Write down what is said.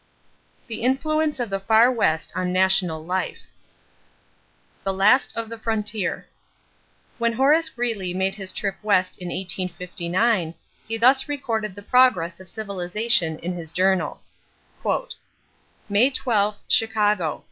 THE INFLUENCE OF THE FAR WEST ON NATIONAL LIFE =The Last of the Frontier.= When Horace Greeley made his trip west in 1859 he thus recorded the progress of civilization in his journal: "May 12th, Chicago.